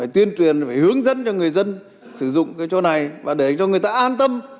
tuyên truyền là phải hướng dẫn cho người dân sử dụng cái chỗ này và để cho người ta an tâm